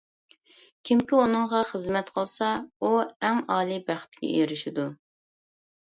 كىمكى ئۇنىڭغا خىزمەت قىلسا، ئۇ ئەڭ ئالىي بەختكە ئېرىشىدۇ.